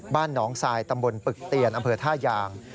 บ้านหนองทรายตำบลปึกเตียนอำเภอท่ายาง